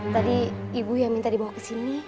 tadi ibu yang minta dibawa kesini